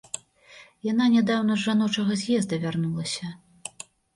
Яна нядаўна з жаночага з'езда вярнулася.